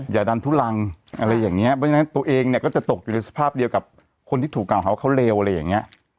อย่าดันทุลังอะไรอย่างเงี้ยเพราะฉะนั้นตัวเองเนี่ยก็จะตกอยู่ในสภาพเดียวกับคนที่ถูกกล่าวหาว่าเขาเลวอะไรอย่างเงี้ย